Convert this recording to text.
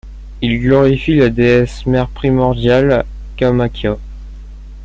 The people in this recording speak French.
Il glorifie la déesse mère primordiale Kamakhya.